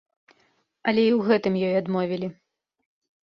Але і ў гэтым ёй адмовілі.